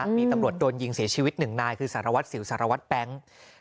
มีตำรวจโดนยิงเสียชีวิตหนึ่งนายคือสารวัตรสิวสารวัตรแบงค์